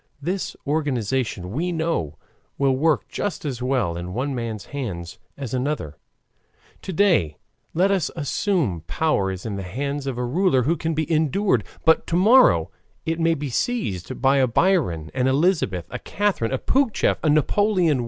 This organization, we know, will work just as well in one man's hands as another's. To day, let us assume, power is in the hands of a ruler who can be endured, but to morrow it may be seized by a Biron, an Elizabeth, a Catherine, a Pougachef, a Napoleon I.